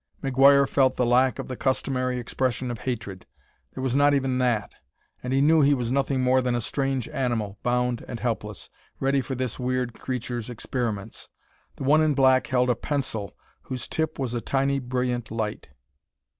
McGuire felt the lack of the customary expression of hatred; there was not even that; and he knew he was nothing more than a strange animal, bound, and helpless, ready for this weird creature's experiments. The one in black held a pencil whose tip was a tiny, brilliant light.